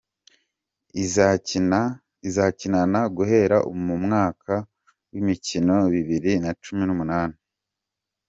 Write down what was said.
izakinana guhera mu mwaka w’imikino bibiri na cumi n’umunani